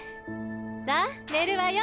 さあ寝るわよ